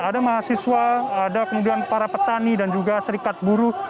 ada mahasiswa ada kemudian para petani dan juga serikat buruh